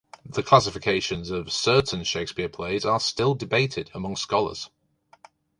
The classifications of certain Shakespeare plays are still debated among scholars.